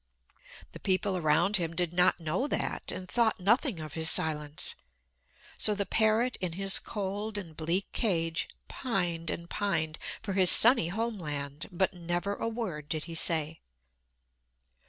The people around him did not know that, and thought nothing of his silence. So the parrot in his cold and bleak cage pined and pined for his sunny home land, but never a word did he say.